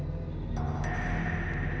tidak ada yang kuijinkan